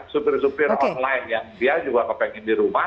supir supir online yang dia juga kepengen di rumah